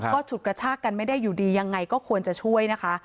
ก็ฉุดกระชากันไม่ได้อยู่ดียังไงก็ควรจะช่วยนะคะ